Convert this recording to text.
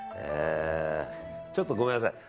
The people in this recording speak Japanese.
ちょっとごめんなさい。